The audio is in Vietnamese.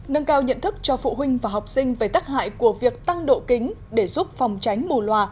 nâng cao nhận thức cho phụ huynh và học sinh về tác hại của việc tăng độ kính để giúp phòng tránh mù loà